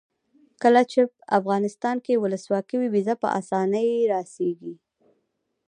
کله چې افغانستان کې ولسواکي وي ویزه په اسانۍ راسیږي.